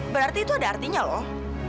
berarti itu ada artinya loh